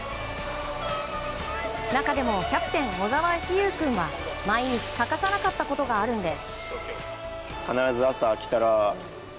中でもキャプテン小澤飛悠君は毎日欠かさなかったことがあるんです。